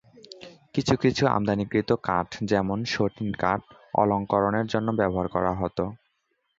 কিছু কিছু আমদানিকৃত কাঠ, যেমন সটিন কাঠ, অলঙ্করণের জন্য ব্যবহার করা হতো।